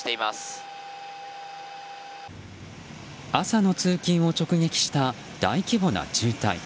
朝の通勤を直撃した大規模な渋滞。